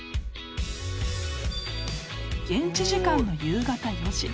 ［現地時間の夕方４時。